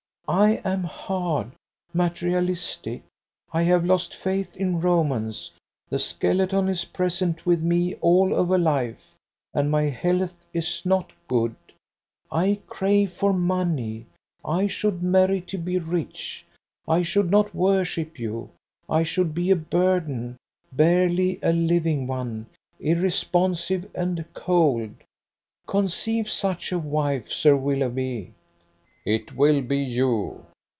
I am hard, materialistic; I have lost faith in romance, the skeleton is present with me all over life. And my health is not good. I crave for money. I should marry to be rich. I should not worship you. I should be a burden, barely a living one, irresponsive and cold. Conceive such a wife, Sir Willoughby!" "It will be you!"